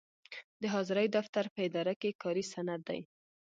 د حاضرۍ دفتر په اداره کې کاري سند دی.